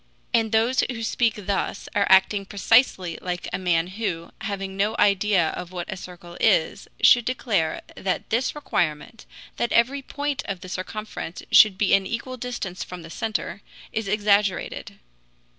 And those who speak thus are acting precisely like a man who, having no idea of what a circle is, should declare that this requirement, that every point of the circumference should be an equal distance from the center, is exaggerated.